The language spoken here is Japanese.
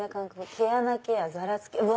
毛穴ケアざらつきうわ！